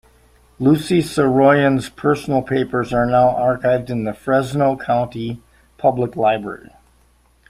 Lucy Saroyan's personal papers are now archived in the Fresno County Public Library.